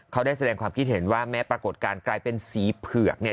เขาได้แสดงความคิดเห็นว่าแม้ปรากฏการณ์กลายเป็นสีเผือกเนี่ย